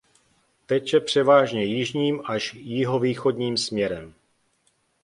Teče převážně jižním až jihovýchodním směrem.